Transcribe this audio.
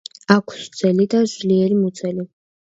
აქვს გრძელი და ძლიერი მუცელი.